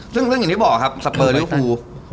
ซึ่งอย่างนี้บอกครับสเปอร์เรียกพู